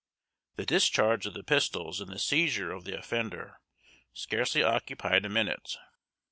The discharge of the pistols and the seizure of the offender scarcely occupied a minute.